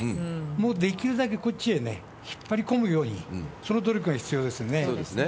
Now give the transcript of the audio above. もうできるだけこっちへ引っ張り込むように、その努力が必要ですそうですね。